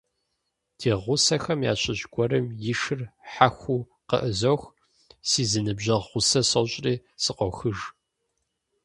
Ди гъусэхэм ящыщ гуэрым и шыр хьэхуу къыӀызох, си зы ныбжьэгъу гъусэ сощӀри, сыкъохыж.